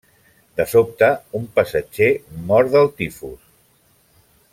De sobte un passatger mor del tifus.